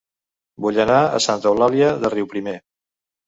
Vull anar a Santa Eulàlia de Riuprimer